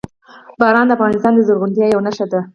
باران د افغانستان د زرغونتیا یوه نښه ده.